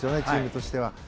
チームとしては。